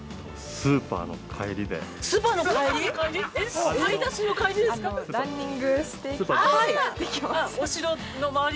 ◆スーパーの帰り？